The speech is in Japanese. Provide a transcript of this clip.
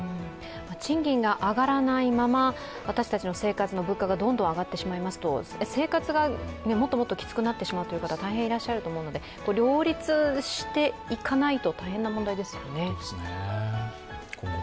賃金が上がらないまま私たちの生活の物価がどんどん上がってしまいますと生活がもっともっときつくなってしまうという方、大変いらっしゃると思うので、両立していかないと大変な問題ですよね。